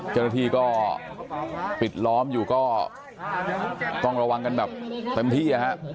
เจ้าหน้าที่ก็ปิดล้อมอยู่ก็ต้องระวังกันแบบเต็มที่